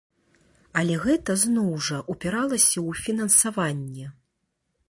Але гэта, зноў жа, упіралася ў фінансаванне.